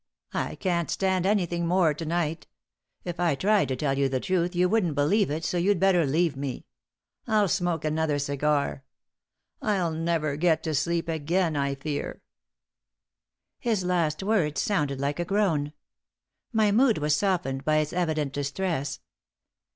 I can't stand anything more to night. If I tried to tell you the truth you wouldn't believe it, so you'd better leave me. I'll smoke another cigar. I'll never get to sleep again, I fear." His last words sounded like a groan. My mood was softened by his evident distress.